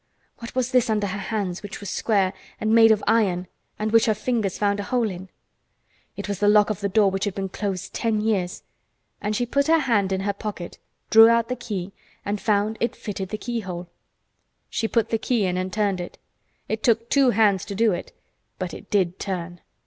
What was this under her hands which was square and made of iron and which her fingers found a hole in? It was the lock of the door which had been closed ten years and she put her hand in her pocket, drew out the key and found it fitted the keyhole. She put the key in and turned it. It took two hands to do it, but it did turn.